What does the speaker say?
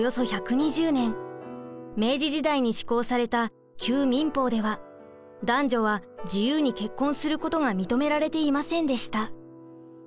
明治時代に施行された旧民法では男女は自由に結婚することが認められていませんでした。